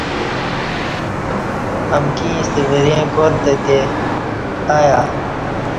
امکی ایݩستہ وریں کار تہ تئے آیہ